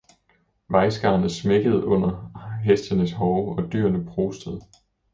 Vejskarnet smækkede under hestenes hove og dyrene prustede.